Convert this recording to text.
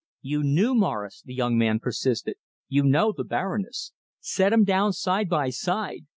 "You knew Morris," the young man persisted. "You know the Baroness. Set 'em down side by side.